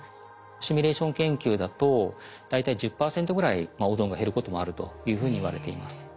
シミュレーション研究だと大体１０％ぐらいオゾンが減ることもあるというふうにいわれています。